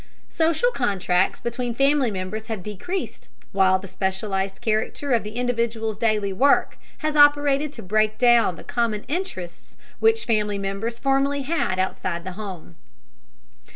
Social contacts between family members have decreased, while the specialized character of the individual's daily work has operated to break down the common interests which family members formerly had outside the home.